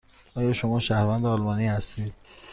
آیا شما شهروند آلمان هستید؟